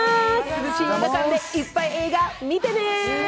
涼しい映画館でいっぱい映画見てね。